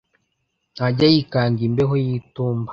Ntajya yikanga imbeho y’itumba